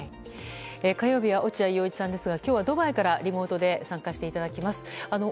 火曜日は落合陽一さんですが今日はドバイからリモートで参加していただきます。